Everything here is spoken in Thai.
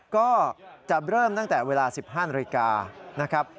ก็จะเริ่มตั้งแต่เวลา๑๕นาฬิกานะครับ